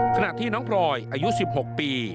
ขณะที่น้องพลอยอายุ๑๖ปี